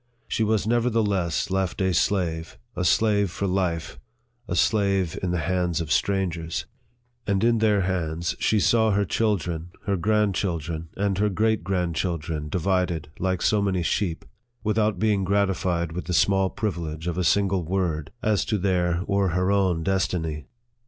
She was nevertheless left a slave a slave for life a slave in the hands of strangers ; 40 NARRATIVE OF THE and in their hands she saw her children, her grand children, and her great grandchildren, divided, like so many sheep, without being gratified with the small privilege of a single word, as to their or her own des tiny.